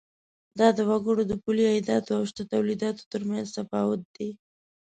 دا د وګړو د پولي عایداتو او شته تولیداتو تر مینځ تفاوت دی.